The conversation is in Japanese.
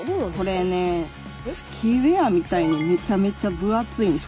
これねスキーウエアみたいにめちゃめちゃ分厚いんです。